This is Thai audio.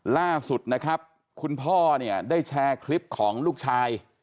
ล่าสุดนะครับคุณพ่อเนี่ยได้แชร์คลิปของลูกชาย